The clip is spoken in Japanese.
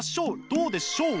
どうでしょう。